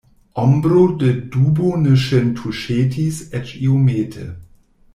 Ombro de dubo ne ŝin tuŝetis eĉ iomete.